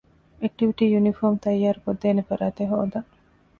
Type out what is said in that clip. އެކްޓިވިޓީ ޔުނީފޯމު ތައްޔާރުކޮށްދޭނެ ފަރާތެއް ހޯދަން